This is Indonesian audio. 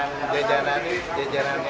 makanan jajanan ini jajanan yang disediakan